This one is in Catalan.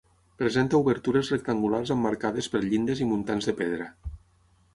Presenta obertures rectangulars emmarcades per llindes i muntants de pedra.